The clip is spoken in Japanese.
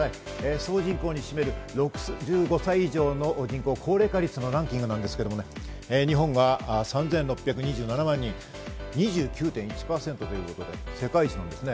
総人口に占める６５歳以上の人口、高齢化率のランキングなんですが日本は３６２７万人、２９．１％ということで世界１位なんですね。